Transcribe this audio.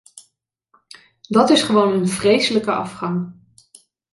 Dat is gewoon een vreselijke afgang.